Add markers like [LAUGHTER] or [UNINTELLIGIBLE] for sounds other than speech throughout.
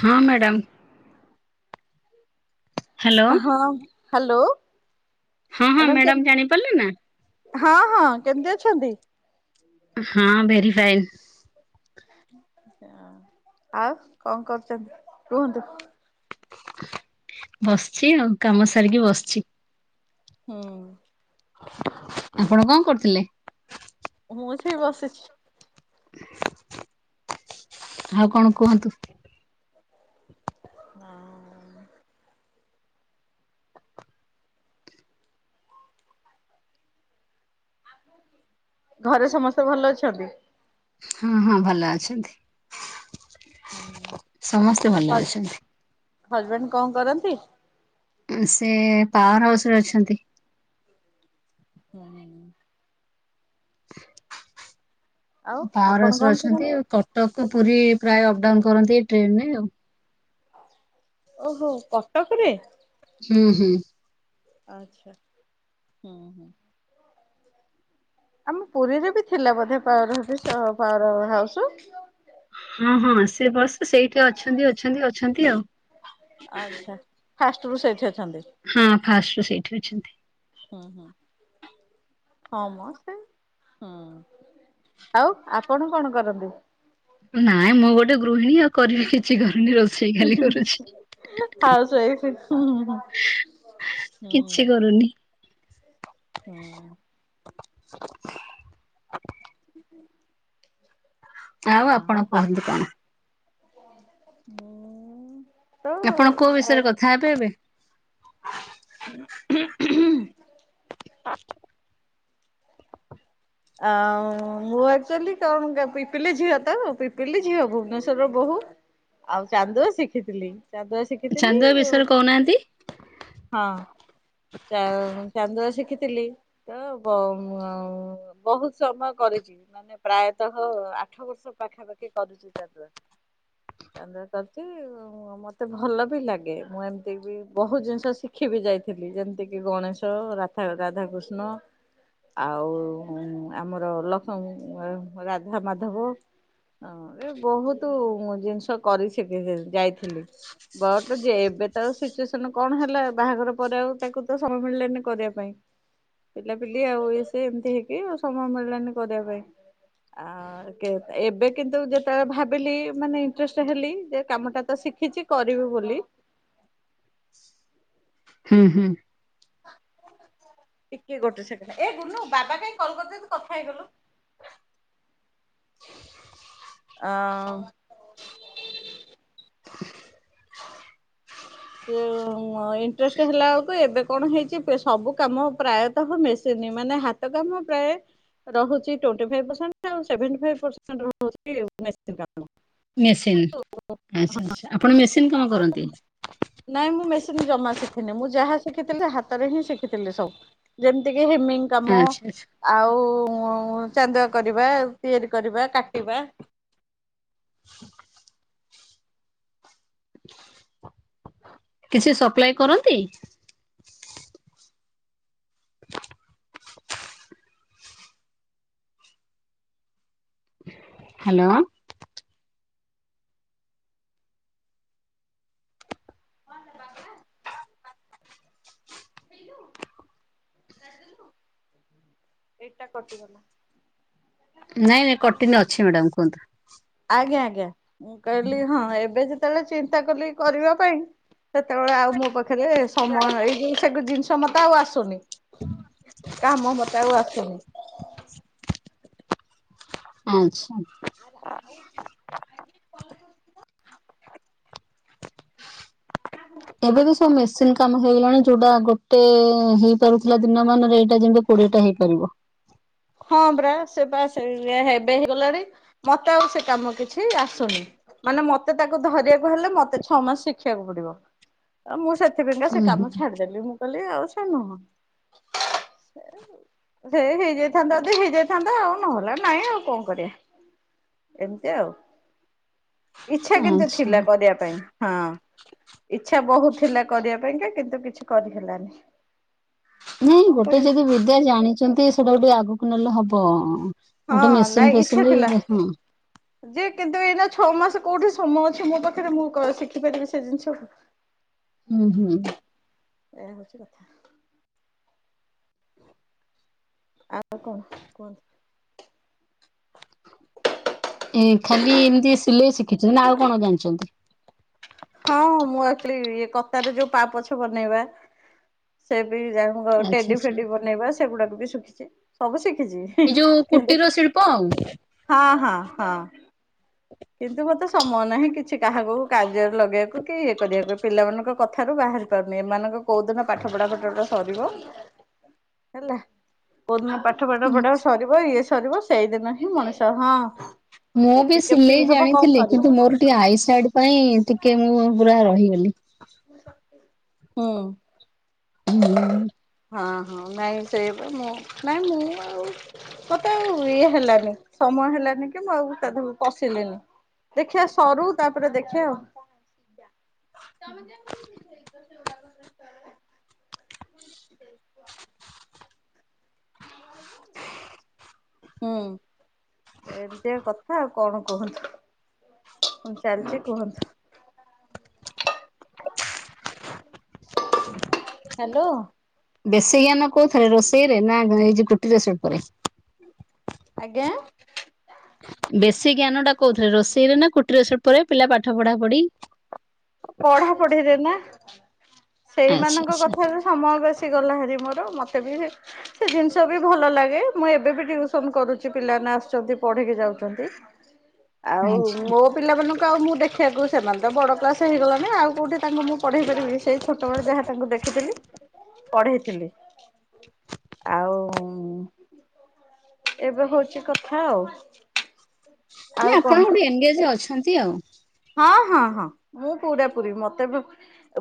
ହଁ madam. Hello ହଁ hello. ହଁ ହଁ ମ୍ୟାଡ଼ାମ ଜାଣିପାରିଲେ ନା? ହଁ, ହଁ କେମିତି ଅଛନ୍ତି? ହଁ ଭେରି ଫାଇନ୍। ଆଉ କଣ କରୁଚନ୍ତି କୁହନ୍ତୁ? ବସିଛି ଆଉ କାମ ସାରିକି ବସିଛି। ହୁଁ। ଆପଣ କଣ କରୁଥିଲେ? ମୁଁ ସେଇ ବସିଛି। ଆଉ କଣ କୁହନ୍ତୁ? ହଁ। ଘରେ ସମସ୍ତେ ଭଲ ଅଛନ୍ତି? ହଁ ହଁ ଭଲ ଅଛନ୍ତି। ସମସ୍ତେ ଭଲ ଅଛନ୍ତି। ହଜବେଣ୍ଡ କଣ କରନ୍ତି? ସେ ପାୱାର ହାଉସରେ ଅଛନ୍ତି। ହୁ [INAUDIBLE] [UNINTELLIGIBLE] ଆଉ ପାୱାର ଆପଣ ହାଉସରେ କଣ ଅଛନ୍ତି କରନ୍ତି? କଟକ ପୁରୀ ପ୍ରାୟ ଅପଡାଉନ କରନ୍ତି ଟ୍ରେନରେ ଆଉ। ଓହୋ କଟକରେ? ହୁଁ ହୁଁ। ଆଚ୍ଛା ହୁଁ ହୁଁ। ଆମ ପୁରୀରେ ବି ଥିଲା ବୋଧେ ପାଞ୍ଵାର ହବିଶ ଅ ପାୱାର ହାଉସ୍। ହଁ ହଁ ସେ ବସ ସେଇଠି ଅଛନ୍ତି, ଅଛନ୍ତି, ଅଛନ୍ତି ଆଉ। ଆଚ୍ଛା ଫାଷ୍ଟରୁୁ ସେଇଠି ଅଛ ହଁ ଫାଷ୍ଟରୁ ସେଇଠି ଅଛନ୍ତି। ହଁମ ସେ ହୁଁ। ଆଉ ଆପଣ କଣ କରନ୍ତି? ନାଇଁ ମୁଁ ଗୋଟେ ଗୃହିଣୀ ଆଉ କରିବି କିଛି କରୁନି ରୋଷେଇ ଖାଲି କରୁଛି। ହାଉସ୍‌ କିଛି ୱାଇଫ୍। କରୁନି। ହୁଁ। [INAUDIBLE] ହୁ [INAUDIBLE] ଆଉ ଆପଣ କୁହନ୍ତୁ କଣ? ମୁଁଉଁ ଆପଣ କୋଉ ବିଷୟରେ କଥା ହେବେ ଏବେ? [INAUDIBLE] [INAUDIBLE] ଆଉ ମୁଁ ଆକଚୁଆଲି କଣ ପିପିଲି ଝିଅ ତ ପିପିଲି ଝିଅ ଭୁବନେଶ୍ଵରର ବୋହୁ। ଆଉ ଚାନ୍ଦୁଆ ଶିଖିଥିଲି ଚାନ୍ଦୁଆ ଶିଖିଥିଲି ଚାନ୍ଦୁଆ ଆଉ। ବିଷୟରେ କହୁନାହାନ୍ତି। ହଁ ଚା ଚାନ୍ଦୁଆ ଶିଖି ଥିଲି ତ ବ ଅଉ ବହୁତ ସମୟ କରିଛି ମାନେ ପ୍ରାୟତଃ ଆଠ ବର୍ଷ ପାଖାପାଖି କରୁଛି ଚାନ୍ଦୁଆ। ଚାନ୍ଦୁଆ କରିଚି ମତେ ଭଲ ବି ଲାଗେ, ମୁଁ ଏମିତି କି ବହୁତ ଜିନିଷ ଶିଖିବି। ବି ଯାଇଥିଲି ଯେମିତିକି ଗଣେଶ ରାଥା ରାଧାକୃଷ୍ଣ ଆଉ। ଆମର ଲକ୍ଷ୍ମ ରାଧା ମାଧବ। ହଁ ଏ ବହୁତ ଜିନିଷ କରି ଛିକିଲିଣି ଯାଇଥିଲି। ବଟ ଯେ ଏବେ ତା ସିଚୁଏସନ କଣ ହେଲା ବାହାଘର ପରେ ଆଉ ତାକୁ ତ ସମୟ ମିଳିଲାନି କରିବା ପାଇଁ। ପିଲାପିଲି ଆଉ ଏ ସେ ଏମିତି ହେଇକି ଆଉ ସମୟ ମିଳିଲାନି କରିବା ପାଇଁ। ଆ ଏ ଏବେ କିନ୍ତୁ ଯେତେବେଳେ ଭାବିଲି ମାନେ ଇଁଟ୍ରେଷ୍ଟ ହେଲି ଯେ କାମଟାତ ଶିଖ ଶିଖିଛି କରିବି ବୋଲି। ହୁଁ ହୁଁ। ଟିକେ ଗୋଟେ ସେକଣ୍ଡ ଏ ଗୁନୁ ବାବା କାଇଁ କଲ କରିଛନ୍ତୁ ଟିକେ କଥା ହେଇଗଲ। ଆଁ। ସେ ଇଣ୍ଟରେଷ୍ଟ ହେଲା ବେଳକୁ ଏବେ କଣ ହେଇଛି ସବୁ କାମ ପ୍ରାୟତଃ ହ ମେସିନ୍ ନାଇଁ ମାନେ ହାତ କାମ ପ୍ରାୟ ରହୁଚି ଟୋଣ୍ଟି ଫାଇବ ପ୍ରସେଣ୍ଟ ଆଉ ସେଭେଣ୍ଟି ଫାଇବ ପ୍ରସେଣ୍ଟ ମେସିନ କାମ। ମେସିନ୍ ଆଚ୍ଛା ଆଚ୍ଛା ଆପଣ ମେସିନ୍ କମ କରନ୍ତି। ନାଇଁ ମୁଁ ମେସିନ ଜମା ଶିଖିନି ମୁଁ ଯାହା ଶିଖିଥିଲି ହାତରେ ହିଁ ଶିଖିଥିଲି ସବୁ ଯେମିତି କି ହେମିଙ୍ଗ କାମ ଆଚ୍ଛା ଆଚ୍ଛା ଆଉ ଉଁ ଚାନ୍ଦୁଆ କରିବା ତିଆରି କରିବା କାଟିବା। କିଛି ସପ୍ଲାଇ କରନ୍ତି। ହାଲୋ। ନେଟ ଟା କଟିଗଲା। ନାଇଁ ନାଇଁ କଟିନୀ ଅଛି ମ୍ୟାଡ଼ାମ କୁହନ୍ତୁ। ଆଜ୍ଞା ଆଜ୍ଞା ମୁଁ କହିଲି ହଁ ଏବେ ଯେତେବେଳେ ଚିନ୍ତା କଲି କରିବା ପାଇଁ ସେତେବେଳେ ଆଉ ମୋ ପାଖରେ ସମୟ ଏଇ ଯୋଉ ସେୁ ଜିନିଷ କ୍ଷମତା ଆଉ ଆସୁନି କାମ ମତେ ଆଉ ଆସୁନି। ଆଚ୍ଛା। କଣ କରୁ ଏବେ ବି ସବୁ ମେସିନ କାମ ହେଇଗଲାଣି ଯୋଉଟା ଗୋଟେ ହେଇପାରୁଥିଲା ଦିନ ମାନରେ ଏଇଟା ଯେମତି କୋଡିଏଟା ହେଇପାରିବ। ହଁ ପ୍ରା ସେ ବା ହେବେ ହେଇଗଲାଣି ମତେ ଆଉ ସେ କାମ କିଛି ଆସୁନି। ମାନେ ମତେ ତାକୁ ଧରିବାକୁ ହେଲେ ମତେ ଛଅ ମାସ ଶିଖିବାକୁ ପଡିବ ଆଉ ମୁଁ ସେ [INAUDIBLE] ଉଁ ସେ କାମ ଛାଡିଦେଲି ମୁଁ କହଲି ଆଉ। ସେଇ ହେଇ ଯେ ହେଇଥାନ୍ତା ଯଦି ହେଇଯାଇଥାନ୍ତା ଆଉ ନହେଲା ନାଇଁ ଆଉ କଣ କରିବା। ଏମତି ଆଉ। ଇଛା ହୁଁ କିନ୍ତୁ ଆଚ୍ଛା ଥିଲା କରିବା ପାଇଁ ହଁ ଇଛା ବହୁତ ଥିଲା କରିବା ପାଇଁକା କିନ୍ତୁ କିଛି କରିହଲାନି। ନାଇଁ ଗୋଟେ ଯଦି ବିଦ୍ୟା ଜାଣିଛନ୍ତି ସେଟାକୁ ଟିକେ ଆଗକୁ ନେଲେ ହବ। ଗୋଟେ ହଁ ନାଇଁ ମେସିନ୍ ଇଚ୍ଛା ଫେସିନ୍ ଥିଲା। ହଁ। ଯେ କିନ୍ତୁ ଏଇନା ଛଅ ମାସ କୋଉଠି ସମୟ ଅଛି ମୋ ପାଖରେ ମୁଁ ଶିଖି ପାରିବି ସେ ଜିନିଷକୁ। ହୁଁ ହୁଁ। ଏୟା ହଉଛି କଥା ଆଉ କଣ କୁହନ୍ତୁ। ଏ ଖାଲି ଏମିତି ସିଲେଇ ଶିଖିଛନ୍ତି ନା ଆଉ କଣ ଜାଣିଛନ୍ତି। ହଁ ମୁଁ ଆକ୍ଚୟଲି ଇଏ କତରେ ଯୋଉ ପାପୋଛ ବନେଇବା ସେ ଆଚ୍ଛା ଟେଡି ଆଚ୍ଛା ଫେଡି ବନେଇବା ସେଗୁାକ ବି ଶିଖିଛି ସବୁ ଶିଖି। ଶିଖିଚି ଏଇ ଯୋଉ ହିଁ କୁଟୀର ଶିଳ୍ପ ଆଉ। ହଁ ହଁ। କିନ୍ତୁ ମତେ ସମୟ ନାହିଁ କିଛି କାହାକୁ କାର୍ଯ୍ୟ ଲଗେଇବାକୁ କି ଇଏ କରିବାକୁ ପିଲାମାନଙ୍କ କଥାରୁ ବାହାରି ପାରୁନି ଏମାନଙ୍କ କେଉଁଦିନ ପାଠ ପଢ଼ାପଠଟା ସରିବ। ହେଲା କୋଉଦିନ ପାଠ ପଢଠ ପଢା ସରିବ ଇଏ ସରିବ ସେଇଦିନ ହିଁ ମଣିଷ ହଁ ମୁଁ ବି ଟି ସିଲେଇ ଜାଣିଥିଲି କିନ୍ତୁ ମୋର ଟିକେ ଆଇ ସାଇଡ ପାଇଁ ଟିକେ ମୁଁ ପୁରା ରହିଗଲି। ହୁଁ ହଁ। ହୁଁ ହଁ ନାଇଁ ସେଇବେ ମୁଁ ନାଇଁ ମୁଁ ଆଉ ମତେ ୱଏ ହେଲାନି ସମୟ ହେଲା। ମୁଁ ଆଉ ପଶିଲିନି ଦେଖିିବା ସରୁ ତାପରେ ଦେଖିଆ ଆଉ। ତମେ [INAUDIBLE] କହୁଛି କହୁଛି। ହୁଁ ଏମିତିଆ କଥା ଆଉ। କଣ କୁହନ୍ତୁ? କଣ ଚାଲିଛି କୁହନ୍ତୁ? [INAUDIBLE] ହାଲୋ। ବେଶୀ ଜ୍ଞାନ କୋଉ ଥିରେ? ରୋଷେଇ ରେ ନା ଏ ଯୋଉ କୁଟିର ଶିଳ୍ପରେ? ଆଜ୍ଞା। [INAUDIBLE] ବେଶୀ ଜ୍ଞାନ ଟା କେଉଥିରେ? ରୋଷେଇରେ ନା କୁଟୀର ଶିଳ୍ପରେ? ପିଲା ପାଠ ପଢା ପଢି। ପଢା ପଢିରେ ନା, ଆଚ୍ଛା ସେଇମାନଙ୍କ ଆଚ୍ଛା କଥାରୁ ସମୟ ବେ ସେଗଲା ହାରି ମୋର। ମତେ ବି ସେ ଜିନିଷ ବି ଭଲ ଲାଗେ। ମୁଁ ଏବେ ବି ଟ୍ୟୁସନ କରୁଛି ପିଲା ନାଁ ଆସୁଛନ୍ତି ପଡିକି ଛାଉଛନ୍ତି। [INAUDIBLE] ଆଉ ଆଚ୍ଛା ମୋ ପିଲାମାନଙ୍କୁ ଆଉ ମୁଁ ଦେଖିବାକୁ ସେମାନେ ତ ବଡ଼ କ୍ଲାସ୍ ହେଗଣି, ଆଉ କେଉଁଠି ତାଙ୍କୁ ମୁଁ ପଢେଇ ପାରିବି। ଛୋଟବେଳେ ଥିଲେ ଆଉ। ଏବେ ହଉଛି କଥା ଆଉ। ନାଇଁ ଆଉ ଆପଣ କଣ ଗୋଟେ ଏନଗେଜ ଅଛନ୍ତି ଆଉ। ହଁ ହଁ ହଁ। ମୁଁ ପୁରା ପୁରୀ ମତେ ବି,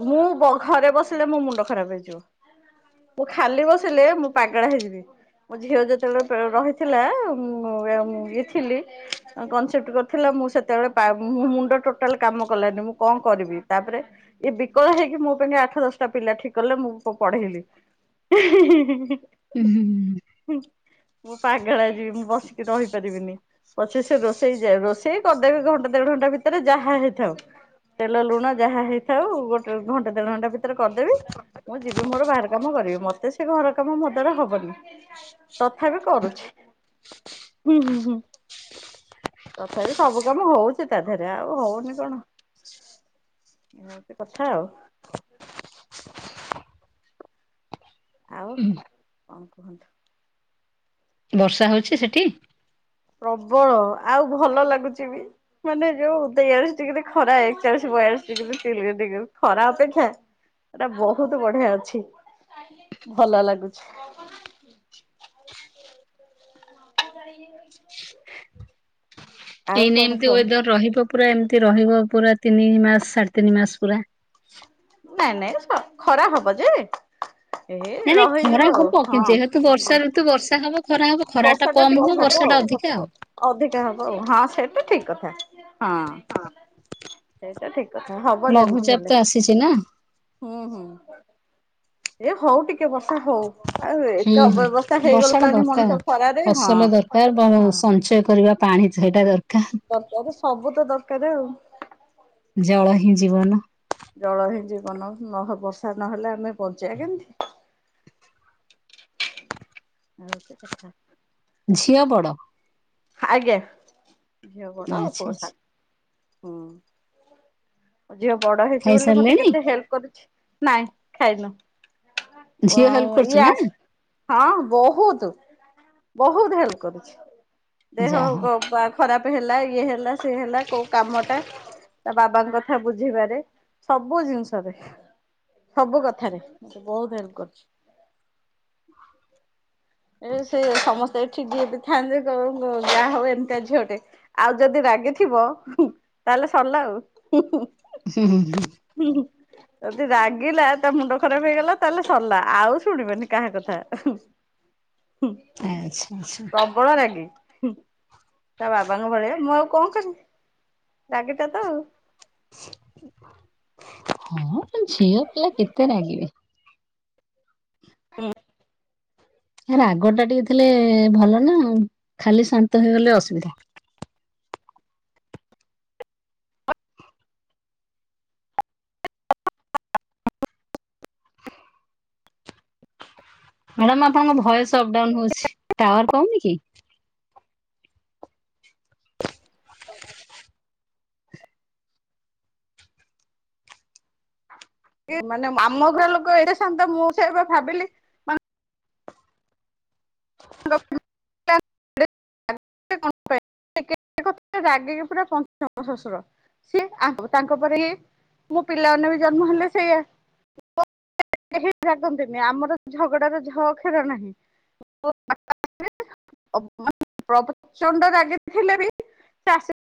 ମୁଁ ଘରେ ବସିଲେ ମୋ ମୁଣ୍ଡ ଖରାପ ହେଇଯିବ। [INAUDIBLE] ମୁଁ ଖାଲି ବସିଲେ, ମୁଁ ପାଗଳ ହେଇଯିବି। ମୋ ଝିଅ ଯେତେବେଳେ, ରହିଥିଲା, ମୁଁ ଇଏ ଥିଲି। କନସେପ୍ଟ କରୁଥିଲା ମୁଁ ସେତେ ବେଳେ ପାଳୁ, ମୁ ମୁଣ୍ଡ ଟୋଟାଲ କାମ କଲାନି। ମୁଁ କଣ କରିବି? ତାପରେ ଇଏ ବିକଳ ହେଇକି ମୋ ପାଇଁ ଆଠ ଦଶଟା ପିଲା ଠିକ୍ କଲେ। ଖୁବ୍ ପଢେଇଲି। ହିଁ ହିଁ। ହୁଁ। ମୁଁ ପାଗାଳା ହେଇ ଯିବି। ମୁଁ ବସିକି ରହିପାରିବିନି। ପଛେ ସେ ରୋଷେଇ ଯେ-ରୋଷେଇ କରିଦେବି ଘଣ୍ଟେ ଦେଢ ଘଣ୍ଟା ଭିତରେ, ଯାହା ହେଇଥାଉ। ତେଲ ଲୁଣ ଯାହା ହେଇଥାଉ ଗୋଟେ ଘଣ୍ଟା ଦେଢ ଘଣ୍ଟା ଭିତରେ କରିଦେବି। ମୁଁ ଯିବି ମୋର ବାହାର କାମ ମତେ ସେ ଘର କାମ ମୋ ଦ୍ୱାରା ହବନି, ତଥାବି କରୁଛି। ହୁଁ ହୁଁ ହୁଁ। ତଥାପି ସବୁ କାମ ହଉଛି ତା ହେରା ହଉନି କଣ? ଏଇ ଭାଲିଆ କଥା ଆଉ। ଆଉ ହୁଁ କଣ କୁହନ୍ତୁ? ବର୍ଷା ହଉଛି ସେଠି? ପ୍ରବଳ ଆଉ ଭଲ ଲାଗୁଛି ବି, ମାନେ ଯୋଉ ତେଇଆଳିସି ଡିଗ୍ରି ଖରା ଏକଚାଳିଶ ବୟାଳି ଏକ୍ଚାଳିସି ଡିଗିରି ରୁ ତିରିଶି ଡିଗିରି ଖରା ଅପେକ୍ଷା ଏଟା ବହୁତ ବଢିଆ ଅଛି। ଭଲ ଲାଗୁଛି। [INAUDIBLE] [INAUDIBLE] ଆଉ ଏଇନେ ନା କଣ ଏମିତି କୁହନ୍ତୁ। ୱେଦର ରହିବ। ପୁରା ଏମିତି ରହିବ, ପୁରା ତିନି ମାସ ସାଢେ ତିନି ମାସ ପୁରା। ନାଇଁ ନାଇଁ। ଖ-ଖରା ହବ ଯେ। ନାଇଁ ଏଇ ନାଇଁ ଖରା ରହିଯିବ ଆଉ। ହବ ଯେହେତୁ ବର୍ଷା ହଁ। ଋତୁ ବର୍ଷା ହବ ଖରା ହବ ଖରା ଟା ବର୍ଷାଟା କମ ଟିକେ ହବ ବର୍ଷା ଟା ଆଉ। ଅଧିକା ଅଧିକା ହବ ଆଉ। ହଁ ସେଟା ଠିକ୍ କଥା। ହଁ। ଠିକ ହବ ଯେମିତି ଲଘୁଚାପ ତ ହେଲେ। ଆସିଛି ନା ହୁଁ ହୁଁ। ଏ ହଉ ଟିକେ ଟିକେ ବର୍ଷା ହଉ। ଆଉ ହୁଁ ଏତେ ହୁଁ ଅବ୍ୟବସ୍ଥା ବର୍ଷା ଟା ହେଇଗଲାଣି ମଣିଷ। ଦରକାର ଖରାରେ ଫସଲ ହଁ। ଦରକାର ସଞ୍ଚୟ କରିବା ପାଣି ଦ ଦରକାର ସବୁ ତ ଦରକାର ଆଉ। ଜଳ ହିଁ ଜୀବନ। ଜଳ ହିଁ ଜୀବନ, ନ ହ ବର୍ଷା ନହେଲେ ଆମେ ବଞ୍ଚିବା କେମିତି। ଆଉ ହଉଚି କଥା। ଝିଅ ବଡ। ଆଜ୍ଞା ଝିଅ ବଡ ଆଚ୍ଛା ପୁଅ ସାନ। ଆଚ୍ଛା ହୁଁ ଝିଅ ବଡ ହେଇଛି ବୋଲି ମତେ ଖାଇସାରିଲେଣି କେତେ ହେଲ୍ପ କରିଛି। ନାଇଁ ଖାଇନୁ। ଅ ଝିଅ ହେଲ୍ପ କରୁଛି ଇଏ ନା ଆ ହଁ ବହୁତ। ବହୁତ ହେଲ୍ପ କରୁଛି। ଦେହ ଯାହା ହଉ ଅ ପା ଖରାପ ହେଲା ଇଏ ହେଲା ସେ ହେଲା କୋଉ କାମଟା ତା ବାବାଙ୍କ କଥା ବୁଝିିବାରେ ସବୁ ଜିନିଷରେ। ସବୁ କଥାରେ ବହୁତ ହେଲ୍ପ କରୁଛି। [INAUDIBLE] ଏ ସେ ସମସ୍ତେ କି ଯିଏ ବି ଥାଆନ୍ତେ କ କହିବ ଯାହଉ ଏମିତା ଝିଅଟେ, ଆଉ ଯଦି ରାଗିଥିବ ତାହେଲେ ସରିଲା ଆଉ। ହୁଁ ହୁଁ ହୁଁ। ଯଦି ରାଗିଲା ତା ମୁଣ୍ଡ ଖରାପ ହେଇଗଲା। ତାହେଲେ ସରିଲା ଆଉ ଶୁଣିବନି କାହା କଥା। [INAUDIBLE] ଆଚ୍ଛା ଆଚ୍ଛା ପ୍ରବଳ ରାଗି। ତା ବାବାଙ୍କ ଭଳିଆ, ମୁଁ ଆଉ କଣ କରିବି ରାଗିଟା ତ ଆଉ। ହଁ ଝିଅ ପିଲା କେତେ ରାଗିବେ। ହଁ। ରାଗ ଟା ଟିକେ ଥିଲେ ଭଲ ନା, ଖାଲି ଶାନ୍ତ ହେଇଗଲେ ଅସୁବିଧା। ମଡାମ ଆପଣଙ୍କ ଭଏସ ଅପଡାଉନ ହଉଛି ଟାୱାର ପାଉନି କି? [INAUDIBLE] ମାନେ ଆମ ଘର ଲୋକ ଏଡେ ସାନ୍ତ, ମୁଁ ସେୟା ବା ଭାବିଲି ମା [INAUDIBLE] [UNINTELLIGIBLE] [UNINTELLIGIBLE] ରାଗିକି ପୁରା ପଞ୍ଚମ ଶଶୁର ସିଏ ତାଙ୍କ ପରେ ଇଏ। ମୁଁ ପିଲାମାନେ ବି ଜନ୍ମ ହେଲେ ସେଇଆ। କେହି ରାଗନ୍ତିନି ଆମର ଝଗଡାର ଝ ଅକ୍ଷର ନାହିଁ। [UNINTELLIGIBLE] [UNINTELLIGIBLE] ପ୍ପଚଣ୍ଡ ରାଗି ଥିଲେ ବି ଆସ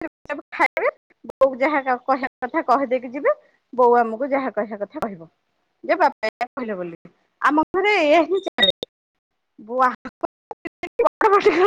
ଖାଇ ବୋଉ ଯାହା କହିବା କଥା କହିଦେଇକି ଯିବେ ବୋଉ ଆମକୁ ଯାହା କହିବା କଥା କହିବ ଯେ ବାପ କହିଲ ବୋଲି ଆମ ଘରେ ଏଇୟା ହିଁ ଚାଲେ [UNINTELLIGIBLE] [UNINTELLIGIBLE]